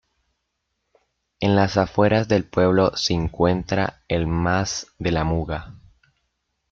En las afueras del pueblo se encuentra el "Mas de la Muga".